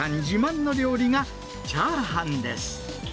自慢の料理が、チャーハンです。